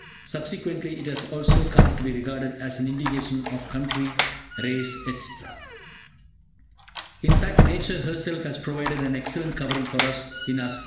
Subsequently it has also come to be regarded as an indication of country, race etc. In fact, Nature herself has provided an excellent covering for us in our skin.